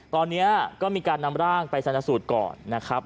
ตอนนี้ก็มีการนำร่างไปชนสูตรก่อนนะครับ